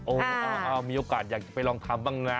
เอามีโอกาสอยากจะไปลองทำบ้างนะ